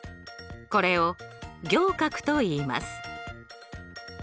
これを仰角といいます。